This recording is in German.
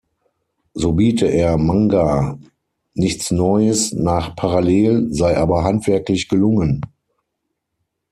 So biete er Manga nichts neues nach "Parallel", sei aber handwerklich gelungen.